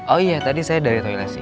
oh iya tadi saya dari toilet sih